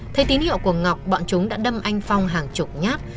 thấy tín hiệu của ngọc bọn chúng đã đâm anh phong hàng chục nhát